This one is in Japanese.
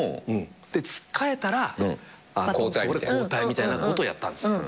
つっかえたら交代みたいなことをやったんですよ。